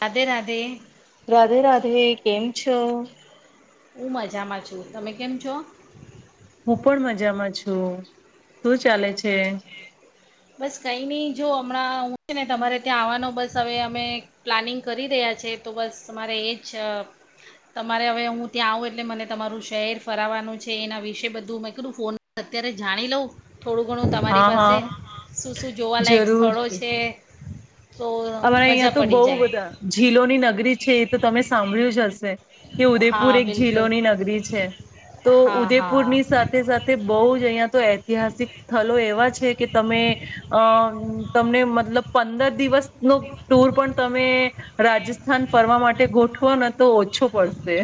રાધે રાધે રાધે રાધે, કેમ છો? હું મજામાં છું. તમે કેમ છો? હું પણ મજામાં છું. શું ચાલે છે? બસ કંઈ નહી, જો હમણાં હું છે ને તમારે ત્યાં આવવાનો બસ હવે અમે પ્લાનિંગ કરી રહ્યા છે. તો બસ તમારે એ જ તમારે હવે હું ત્યાં આવું એટલે મને તમારું શહેર ફરાવાનું છે. એના વિશે બધું મેં કીધું ફોન અત્યારે જાણી લઉં થોડું ઘણું તમારી હા હા પાસે શું શું જોવાલાયક સ્થળો જરૂરથી છે તો અમારા મજા અહિયાં તો બહુ પડી જાય બધા, ઝીલોની નગરી છે. એ તો તમે સાંભળ્યું જ હશે કે હા ઉદયપુર એક બિલકુલ ઝીલોની નગરી છે. તો હા હા ઉદયપુરની સાથે, સાથે બહુ જ અહિયા તો એ ઐતિહાસિક સ્થળો એવા છે. કે તમે અ, તમને મતલબ પંદર દિવસ નો ટુર પણ તમે રાજસ્થાન ફરવા માટે ગોઠવો ને તો ઓછો પડશે.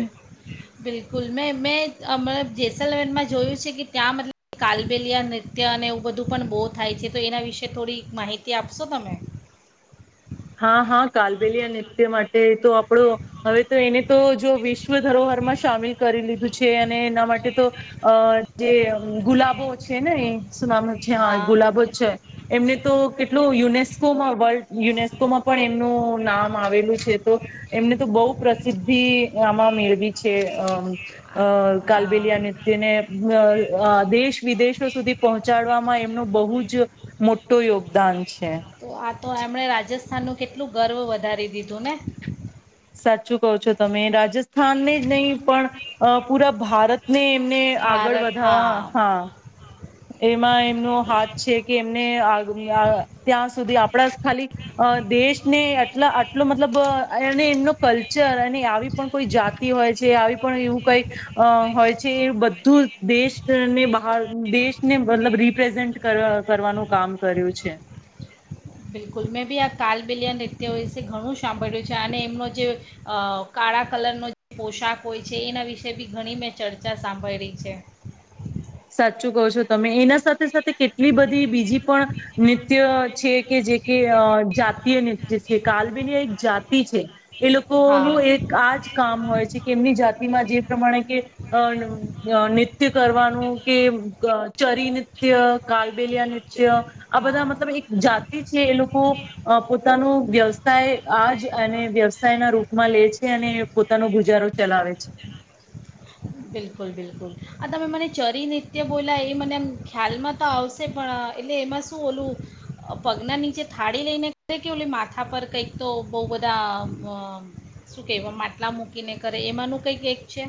બિલકુલ મેં મેં અમે જેસલમેરમાં જોયું છે, કે ત્યાં મતલબ કાલબેલિયા નૃત્ય અને એવું બધું પણ બહુ થાય છે. તો એના વિશે થોડી માહિતી આપશો તમે? હા, હા કાલબેલિયા નૃત્ય માટે તો આપણો હવે તો, એને તો જો વિશ્વ ધરોહરમાં સામેલ કરી લીધું છે. અને એના માટે તો અ જે ગુલાબો છે, ને એ શું નામ છે? હા ગુલાબો જ છે. એમને તો કેટલું યુનિયન [unintelligible] માં વર્લ્ડ યુનેસ્ પણ એમનું નામ આવેલું છે. તો એમને તો બહ પ્રસિદ્ધિ આમાં મેળવી છે. અમ અ હા કાલબેલિયા નૃત્યને દેશ, વિદેશો સુધી પહોંચાડવામાં એમનું બહુ જ મોટ યોગદાન છે તો, આ તો એમણે રાજસ્થ આનું કેટલું ગર્વ વધારી દીધું ને. સાચું કો છો તમે, રાજસ્થાનને જ નહીં પણ અ પૂરા ભારત, ને એમને આગળ વધવા હા, એમાં એમનો હાથ છે, કે એમને ત્યાં સુધી આપણા ખાલી દેશને આટલા, આટલો મતલબ અને એમનો કલ્ચર અને આવી પણ કોઈ જાતિ હોય છે આવી પણ એવું કઈ હોય છે એ બધું દેશને બહાર દેશને મતલબ રિપ્રેઝન્ટ કરવાનું કામ કર્યું છે. બિલકુલ મેં બી આ કાલબિલિયા નૃત્ય વિશે ઘણું સાંભળ્યું છે અને એમનો જે કાળા કલરનો જે પોશાક હોય છે એના વિશે બી ઘણી મેં ચર્ચા સાંભયળી છે. સાચું કહો છો તમે એના સાથે સાથે કેટલી બધી બીજી પણ નૃત્ય છે. કે જે કે જાતિય નૃત્ય છે કાલબેલી એક જાતિ છે. એ લોકોનું હા એક આ જ કામ હોય છે કે એમની જાતિમાં જે પ્રમાણે કે અ નિત્ય કરવાનું. કે ચરી નૃત્ય કાલબેલિયા ચ- નૃત્ય આ બધા હા મતલબ એક જાતિ છે એ લોકો પોતાનું વ્યવસાય આજ અને વ્યવસાયના રૂપમાં લે છે અને પોતાનો ગુજારો ચલાવે છે. [inaudible] બિલકુલ બિલકુલ આ તમે મને ચરી નૃત્ય બોલા એ મને આમ ખ્યાલમાં તો આવશે પણ એટલે એમાં શું ઓલું પગના નીચે થાળી લઈને કરે કે ઓલી માથા પર કંઈક તો બહુ બધા શું કહેવાય માટલા મૂકીને કરે એમાંનું કંઈક એક છે.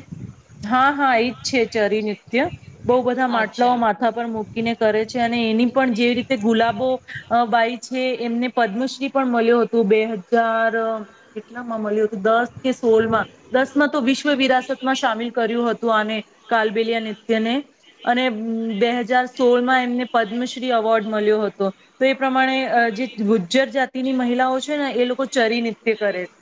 હા હા એજ છે ચરી નૃત્ય બહુ બધા માટલાઓ અચ્છા માથા પર મૂકીને કરે છે અને એની પણ જે રીતે તે ગુલાબો બાઈ છે એમને પદ્મશ્રી પણ મળ્યો હતો બે હજાર કેટલા માં મળ્યું હતું દસ કે સોલમાં દસ તો વિશ્વ વિરાસતમાં સામેલ કર્યું હતું આને કબેલિયા નૃત્યને અને બે હજાર સોળ માં એમને પદ્મશ્રી અવોર્ડ મળ્યો હતો તો એ પ્રમાણે જે ગુજ્જર જાતિની મહિલાઓ છે ને એ લોકો ચરી નિત્ય કરે છે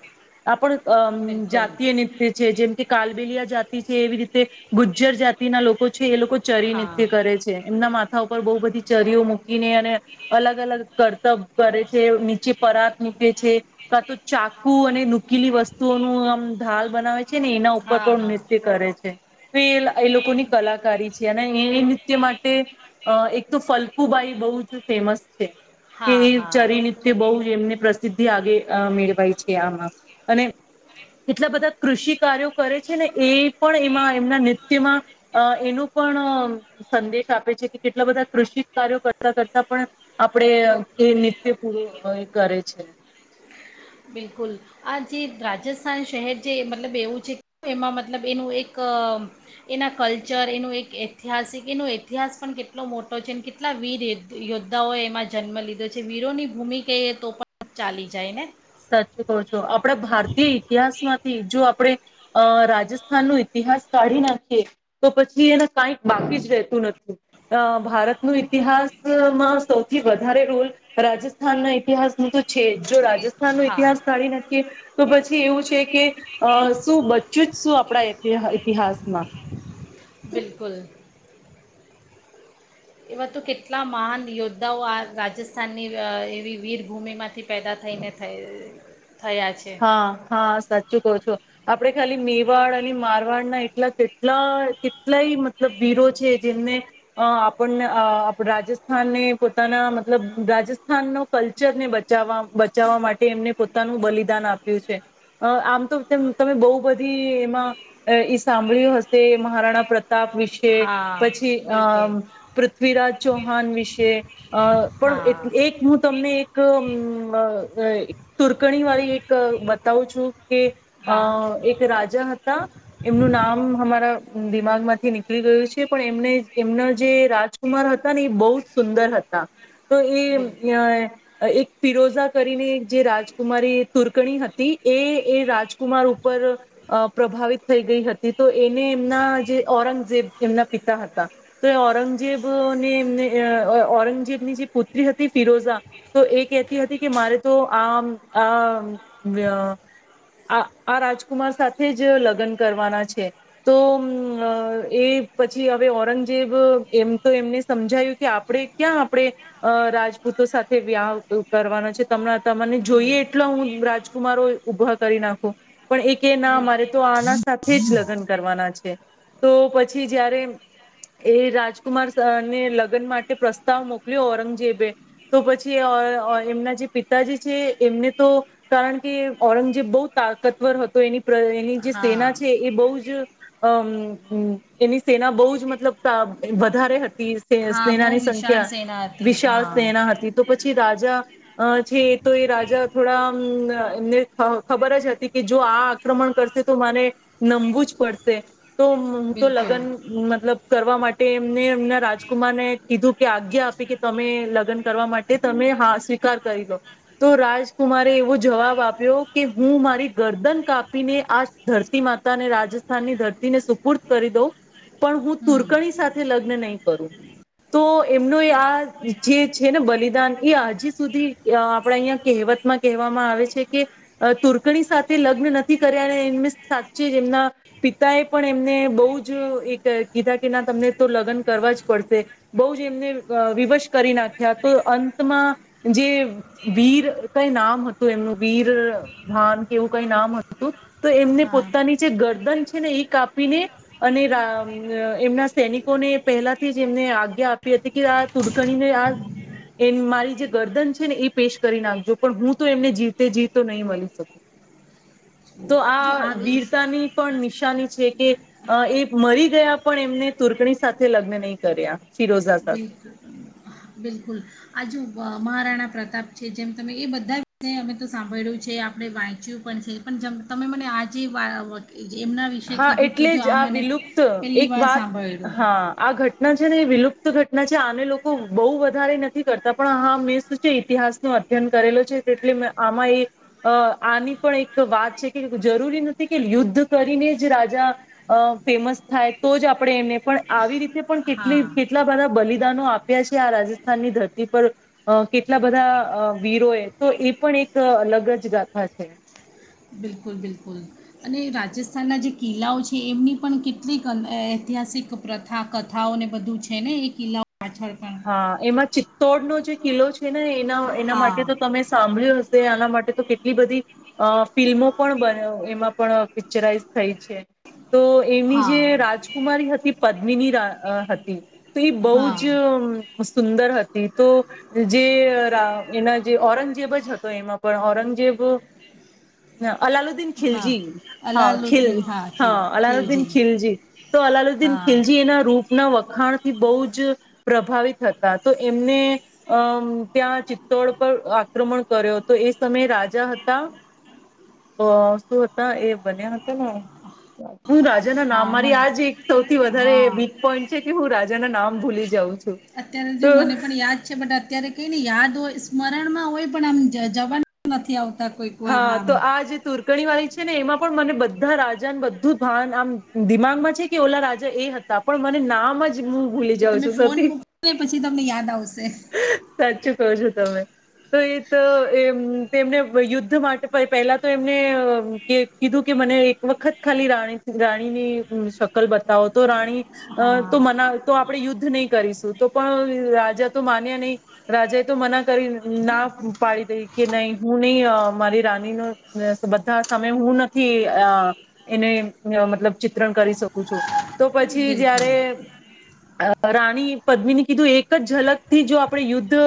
આપણ અમ બિલકુલ જાતીય નૃત્ય છે જેમ કે કાલબેલીયા જાતી રીતે ગુજ્જર જાતિના લોકો છે. એ લોકો ચરી હા નિત્ય કરે છે એમના મા હા ઉપર બહુ બધી ચરીઓ મૂકીને અને અલગ અલગ કરતબ કરે છે નીચે પરાત મૂકે છે કા તો ચાકુ અને નૂકીલી વસ્તુઓ ન આમ ધાલ બનાવે છે. [unintelligible] એના ઉપર હા પણ હા છે. એ એ લોકોની કલાકારી છે અને એ તે માટે અ એક તો ફલકુબાઈ બહુ જ ફેમસ છે. કે હા હા ચરીનિત્ય બવ જ એમને પ્ર સિદ્ધિ આગે મેળવાય છે આમાં અને એટલા બધા કૃષિ કાર્યો કરે છે ને એ પણ એમાં એમના નૃત્યમાં અ એનું પણ સંદેશ આપે છે કે કેટલા બધા કૃષિ કાર્યો કરતા કરતા પણ આપડે એ નિત્ય પૂરો અ કરે છે. બિલકુલ આ જે રાજસ્થાન શહેર જે મતલબ એવું છે એમાં મતલબ એનું એક અ એના કલ્ચર એનું એક ઐતિહાસિક એનો ઇતિહાસ પણ કેટલો મોટો છે અને કેટલા વીર ય યોદ્ધાઓએ એમાં જન્મ લીધો છે. વીરોની ભૂમિ કહીએ તો પણ ચાલી જાય ને સાચું કો છો આપણા ભારતીય ઇતિહાસ માંથી જો આપડે અ રાજસ્થાન નો ઈતિહાસ કાઢી નાખીએ તો પછી એને કાંઈક બાકી જ રહેતું નથી અ ભારત નો ઈતિહાસ [unintelligible] માં સૌથી વધારે રોલ રાજસ્થાન ના ઇતિહાસ નું તો છે જો રાજસ્ થાન નો હા ઇતિહાસ કાઢી નાખીએ તો પછી એવું છે કે અ શું બચ્યું જ શું આપણા ઈતિ ઇતિહાસ બિલકુલ. એવા તો કેટલા મહાન યોદ્ધાઓ આ રાજસ્થાનની અ એવી વીરભૂમિમાંથી પેદા થઈને થઈ થયા છે હા-હા સાચું કહો છો આપણે ખાલી મેવાડ અને મારવાડના એટલા કેટલા કેટલાય મતલબ વીરો છે જેમને અ આપણને અ રાજસ્થાનને પોતાના મતલબ રાજસ્થાનનો કલ્ચરને બચાવવા-બચાવવા માટે એમને પોતાનું બલિ દાન આપ્યું છે અ આમ તો તમે બહુ બધી એમાં ઈ સાંભળ્યું હશે મહારાણા પ્ર પ્રતાપ વિશે હા પછી અમ બિલકુલ પૃથ્વીરાજ ચૌહાણ વિશે અ પણ હા એ એક હું તમને એક અમ અ એક તુર્કણી ક બતાવું છું કે અ હા એક રાજા હતા એમનું નામ હમારા દિમાગમાંથી થી નીકળી ગયું છે પણ એમને એમના જે રાજકુમાર હતા ને ઈ બહુ જ સુંદર હતા. તો એ બિલકુલ અ એક ફિરોઝા કરીને એક જે રાજકુમારી તુરકણી હતી એ-એ રાજ કુમાર ઉપર અ પ્રભાવિત થઈ ગઈ હતી. તે તો એને એમના જે ઔરંગઝેબ એમના પિતા હતા તો એ ઔરંગજેબને એમને અ ઔરંગજેબની જે પુત્રી હતી ફિરોઝા તો એ કહેતી હતી કે મારે તો આમ આ મ વ્ય આ-આ રાજકુમાર સાથે જ લગન કરવાના છે તો ઉમ એ પછી હવે ઔરંગજેબ એમ તો એમને સમજાયું કે આપણે ક્યાં આપણે રાજપૂતો સાથે વ્યા કરવાના છે તમ તમાને હમ જોઈએ એટલો હું રાજકુમારો ઊભા કરી નાખુ. પણ એકય ના બિલકુલ મારે તો આના સાથે જ લગન કરવાના છે તો પછી જયારે એ રાજકુમાર સા ને લગ્ન માટે પ્રસ્તાવ મોકલ્યો ઔરંગજેબે તો પછી ઓએ ઓ એમના જે પિતાજી છે એમને તો કારણ કે ઔરંગજેબ બહુ તાકતવર હતો એની પ્ર એની જે સેના હા છે એ બહુ જ અમ હમ એની સેના બહુ જ મતલબ ત વધારે હત તી સ હા બહુ સ્નેનાની વિશાળ સંખ્યા, સેના હતી વિશાળ હા સ્નેના હતી તો પછી રાજા અ છે એ તો એ રાજા થોડા અમ એમને ખબર જ હતી કે જો આ આક્રમણ કરશે તો મને નમવું જ પડશે. તો હું તો મ બિલકુલ લગન મતલબ કરવા માટે માટે એમને એમના રાજકુમારને કીધું કે આજ્ઞા આપી કે તમે લગન કરવા માટે તમે હા સ્વીકાર કરી લો તો રાજકુમારે એવ એવો જવાબ આપ્યો કે હું મારી ગરદન કાપીને આ ધરતી માતાને રાજસ્થાનની ધરતીને સુપૂર્ત કરી દઉં પણ હું હમ તુર્કણી સાથે લગ્ન નહીં કરું તો એમનું આ જે છે ને બલિદાન એ હજી સુધી અ આપણા અહીંયા કહેવતમાં કહેવામાં આવે છે કે તુર્કણી સાથે લગ્ન નથી કર્યા અને એને સાચે જ એમના પિતા એ પણ એમને બઉ જ એક કીધા કે ના તમને તો લગન કરવા જ પડશે બઉ જ એમને વિવશ કરી નાખ્યા તો અંતમાં જે વીર કઈ નામ હતું એમનું વીર ભાન કે એવું કઈ નામ હતું તો એમને હા પોતાની જે ગર દન છે ને એ કાપીને અને રા મ એમના સૈનિકોને પહેલાથી જ એમને આજ્ઞા આપી હતી કે આ તુડકણીને અ આ મારી જે ગરદન છે ને એ પેશ કરી નાખજો પણ હું તો એમને જીવતે જીતો નહી મલી શકું. તો, જો આ વિશ વીરતાની પણ નિ [inaudible] છે કે, એ મરી ગયા પણ, એમને તૂર્કણી સાથે લગ્ન નહી કર્યા, ફિરોઝા સાથે. બિલકુલ બિલકુલ! આજુ મહારાણા પ્રતાપ છે. જેમ તમે એ બધા વિ [unintelligible] અમે તો સાંભળ્યું છે. આપણે વાંચ્યું પણ છે. પણ તમે મને આજે હા! એટલે જ આ વિલુપ્ત પહેલી એક વાર વાત, સાંભળ્યું હા આ ઘટ ઘટના છે ને એ વિલુપ્ત ઘટના છે. આને લોકો બહુ વધારે નથી કરતા પણ, હા મેં શું છે, ઈતિહાસ ન અધ્યયન કરેલો છે. એટલે આમાં એ અ આની પણ એક વાત છે કે, જરૂરી નથી કે યુદ્ધ કરીને જ જે રાજા ફેમસ થાય તો જ, આપણે એમને પણ, આવી રીતે પણ કેટલી હા કેટલા બધા બલિદાનો આપ્યા છે. આ રાજસ્થાનની ધરતી પર કેટલા બધા વીરોએ, તો એ પણ એક અલગ જ ગાથા છે. બિલકુલ બિલકુલ! અને રાજસ્થાનનાં જે કિલ્લાઓ છે, એમની પણ કેટલીક ઐતિહાસિક પ્રથા કથાઓને બધું છે ને, એ કિલ્લાઓ પાછળ પણ હા! એમાં ચિત તોડ નો જે કિલ્લો છે ને, એ નાં એના માટે હા તો તમે સાંભળ્યું ઝ તે, આના માટે તો કેટલી બધી અ ફિલ્મો પણ બન એમાં પણ પિક્ચરાઈઝ થઈ છે. તો એની, હા જે રાજકુમારી હતી. પદ્મી ની રાઅ હતી. તે ઈ બઉ હા જ સુંદર હતી તો, જે રા એના જે ઔરંગજેબ જ હતો. એમાં પણ, ઔરંગજેબ અલાલુદ અલાલુદીન હા ખિલજી હા ખીલ, હા અલાલુદ્દીન ખિલજી, તો અલાલુદ્દીન હા ખિલજી એના રૂપ ના વખાણ થી બહું જ પ્ર પ્રભાવિત હતા. તો, એમને અમ ત્યાં ચિત્તોડ પર આક્રમણ કર્યો તો, એ સમયે રાજા હતા. શું હતા એ બન્યા હતા ને હું રાજા ના હા નામ, મારી મને આજ એક સૌથી વધારે હા વીક પોઈન્ટ છે કે, હું રાજ જના નામ ભૂલી જઉ છું. અત્યારે જો તો મને પણ યાદ છે. બટ અત્યારે કઈ ને યાદ હોય સ્મરણમાં હોય પણ આમ, જ જબાન પર નથી આવતું. હા! તો આજ તુર્કી ગણી વાળી છે ને, એમાં પણ મને બધા રાજાને, બધું ભાન આમ દિમાગમાં છે કે, ઓલા રાજા એ હતા. પણ મને નામ જ હું ભૂલી એ જાઉં તમે ફોન છું મૂકો ને પછી તમને યાદ આવશે [unintelligible] સાચું કો છો તમે, તો એ તો એમ તેમને યુદ્ધ યુદ્ધ માટે પહેલા તો એમને કે કીધું કે, મને એક વખત ખાલી રાણી, રાણીની શકલ બતાવો. તો રાણી હા તો મના તો આપણે યુદ્ધ નહી કરીશું. તો પણ, રાજા તો માન્યા નહી. રાજા એ તો મના કરી ના પાડી દઈ કે, નહી હું નહી મારી રાની નું બધા સામે હું નથી એને મતલબ, ચિત્રણ કરી શકું છું. તો પછી બિલકુલ જયારે અ આ રાણી પદ્મીની કીધું એક જ ઝલક થી, જો આપણે યુદ્ધ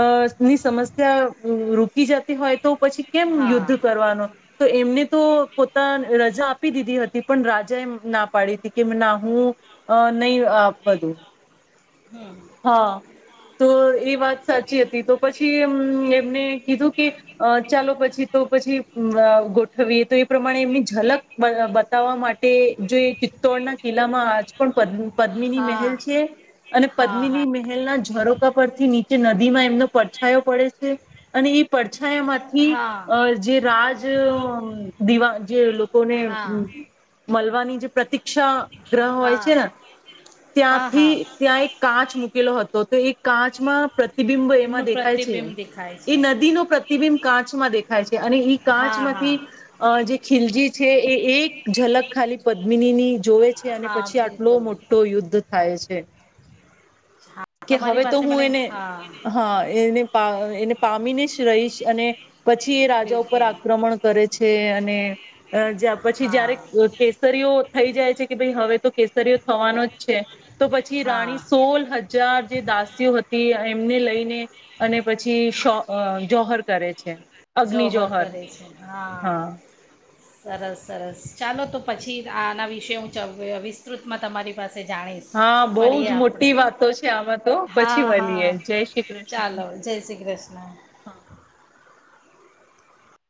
અ ની સમસ્યા રોકી જતી હોય તો પછી કેમ હા યુદ્ધ કરવાનો? તો એમને તો પોતા રજા આપી દીધી હતી. પણ, રાજા એ ના પાડી હતી કે ના હું અ નહી આપ બધું, હમ હા તો એ વાત સાચી હતી. તો પછીમ એમને કીધું કે ચાલો પછી તો પછી ગોઠવીએ, તો એ પ્રમાણે એમની ઝલક બતાવવા માટે, જો એ ચિત્તોડના કિલ્લામાં આજ પણ પદ પદ્મીની હા મહેલ છે. અને હા પદમિની મેહેર ના ઝરોખા પરથી નીચે નદી માં એમનો પડછાયો પડે છે, અને એ પડછાયા હા માંથી હા અ જે રાજ દીવા જે લોકોને હા મળવાની જે પ્રતીષા ગ્રહ હોય છે, હા ને હા ત્યાંથી હા ત્યાં એક કાચ મૂકેલો હતો, તો એ કાચમાં પ્ર પ્રતિબિંબો એમાં એમનું દેખાય છે, પ્રતિબિંબ દેખાય એ છે નદી નો પ્રતિબિંબ કાચમાં દેખાય છે, અને એ કાચ હા હા માંથી અ જે ખીલજી છે, એ એક ઝલક ખાલી પદ્મિની ની જોવે છે, અને હા પછી આટલો બિલકુલ મોટો યુદ્ધ થાય છે. એ હા કે તમારી હવે તો પાસે હું મને એને હા હા એને પા એને પામીને જ રહીશ અને પછી એ રાજા ઉપર બિલકુલ આક્રમણ કરે છે, અને અ જા પછી જયારે હા કેસરીઓ થઈ જાય છે, કે ભાઈ હવે તો કેસરીઓ થવાનો જ છે. તો પછી રાણી હા સોલ હજાર જે દાસીઓ હતી, એમને લઈને અને પછી શ જોહર કરે છે. જોહર કરે છે, હા સરસ સરસ ચાલો તો પછી આના વિષ હું વિસ્તૃતમાં તમારી પાસે જાણીશ હા બહુ મળીએ જ આપણે મોટી વાતો છે, આમાં તો પછી હા હા મળએ જય શ્રી કૃષ્ણ, ચાલો જય શ્રી કૃષ્ણ હા.